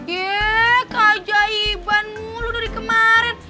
ye keajaiban mulu dari kemarin